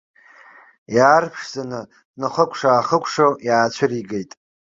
Иаарԥшӡаны, днахыкәша-аахыкәшо иаацәыригеит.